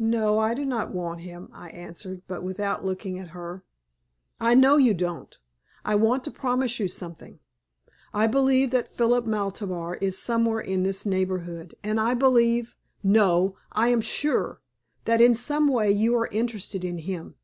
"No, I do not want him," I answered, but without looking at her. "I know you don't. I want to promise you something. I believe that Philip Maltabar is somewhere in this neighborhood, and I believe no, I am sure that in some way you are interested in him.